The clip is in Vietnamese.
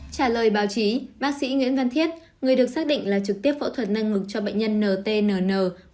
trả lời báo chí bác sĩ nguyễn văn thiết người được xác định là trực tiếp phẫu thuật nâng ngực cho bệnh nhân ntnn